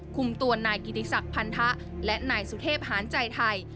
คุมตัวนายกิติศักดิ์พันธะและนายสุเทพหารใจไทย